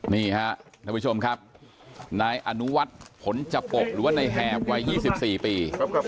นี่ฮะท่านผู้ชมครับนายอนุวัฒน์ผลจปกหรือว่าในแหบวัย๒๔ปี